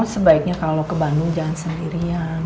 sebaiknya kalau ke bandung jangan seharian